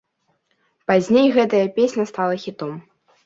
Пазней гэтая песня стала хітом.